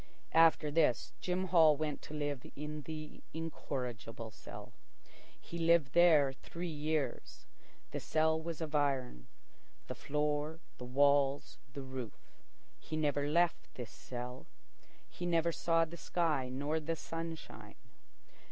After this, Jim Hall went to live in the incorrigible cell. He lived there three years. The cell was of iron, the floor, the walls, the roof. He never left this cell. He never saw the sky nor the sunshine.